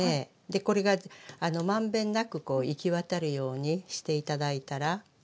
でこれが満遍なくこう行き渡るようにして頂いたら。